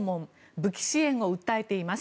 武器支援を訴えています。